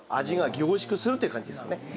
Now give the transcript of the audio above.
味が凝縮するという感じですね。